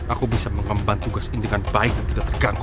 aku bisa mengemban tugas ini dengan baik dan tidak terganggu